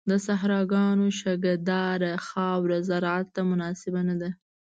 د صحراګانو شګهداره خاوره زراعت ته مناسبه نه ده.